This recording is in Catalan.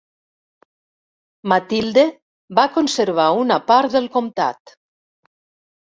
Matilde va conservar una part del comtat.